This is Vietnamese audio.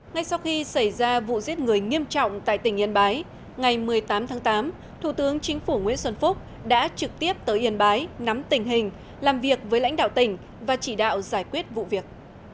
ngay sau khi xảy ra vụ giết người nghiêm trọng tại tỉnh yên bái ngày một mươi tám tháng tám thủ tướng chính phủ nguyễn xuân phúc đã trực tiếp tới yên bái nắm tình hình làm việc với lãnh đạo tỉnh và chỉ đạo giải quyết vụ việc